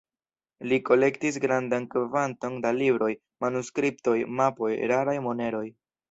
Li kolektis grandan kvanton da libroj, manuskriptoj, mapoj, raraj moneroj.